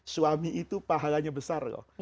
suami itu pahalanya besar loh